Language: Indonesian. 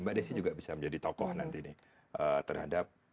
mbak desi juga bisa menjadi tokoh nanti nih terhadap